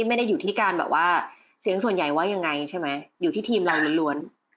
ไม่ได้อยู่ที่การแบบว่าเสียงส่วนใหญ่ว่ายังไงใช่ไหมอยู่ที่ทีมเราล้วน